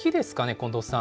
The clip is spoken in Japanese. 近藤さん。